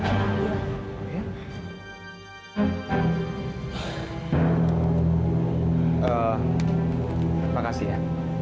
terima kasih ya